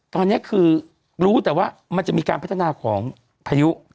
ตอนนี้คือรู้แต่ว่ามันจะมีการพัฒนาของพายุ